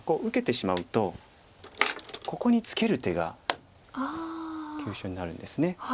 受けてしまうとここにツケる手が急所になるんです。